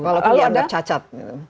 kalau itu dianggap cacat